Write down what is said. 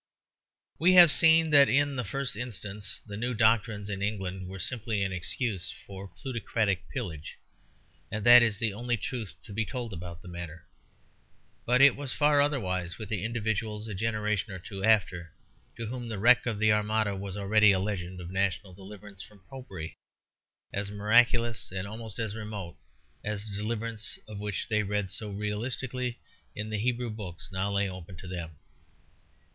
We have seen that in the first instance the new doctrines in England were simply an excuse for a plutocratic pillage, and that is the only truth to be told about the matter. But it was far otherwise with the individuals a generation or two after, to whom the wreck of the Armada was already a legend of national deliverance from Popery, as miraculous and almost as remote as the deliverances of which they read so realistically in the Hebrew Books now laid open to them.